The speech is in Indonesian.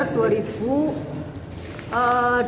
eee dua ribu tadi berapa ya